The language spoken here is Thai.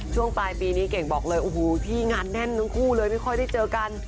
ช่วงปลายปีนี้เก่งบอกเลยโอ้โหพี่งานแน่นทั้งคู่เลยไม่ค่อยได้เจอกัน